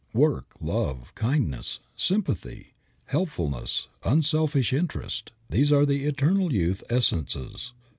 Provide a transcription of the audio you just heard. Work, love, kindness, sympathy, helpfulness, unselfish interest these are the eternal youth essences.